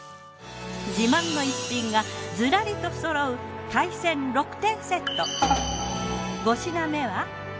自慢の逸品がずらりとそろう海鮮６点セット。